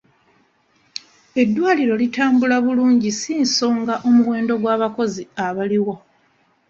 Eddwaliro litambula bulungi si nsonga omuwendo gw'abakozi abaliwo.